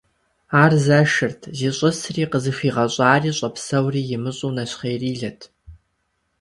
Ар зэшырт, зищӀысри, къызыхуигъэщӀари, щӀэпсэури имыщӀэу, нэщхъеирилэт.